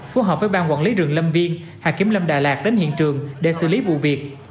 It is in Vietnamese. phù hợp với ban quản lý rừng lâm viên hạt kiểm lâm đà lạt đến hiện trường để xử lý vụ việc